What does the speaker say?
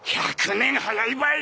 １００年早いばい！